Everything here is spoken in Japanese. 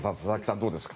どうですか？